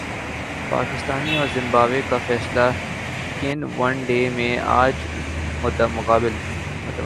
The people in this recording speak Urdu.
پاکستان اور زمبابوے فیصلہ کن ون ڈے میں اج مدمقابل